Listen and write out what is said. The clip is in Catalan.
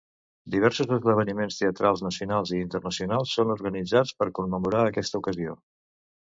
Diversos esdeveniments teatrals nacionals i internacionals són organitzats per commemorar aquesta ocasió.